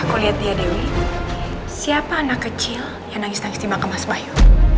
aku lihat dia dewi siapa anak kecil yang nangis nangis di mahkamah sebayu